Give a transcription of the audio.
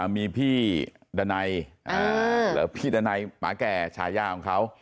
มีพี่ดันัยพี่ดันัยหมาแก่ฉายาของเขา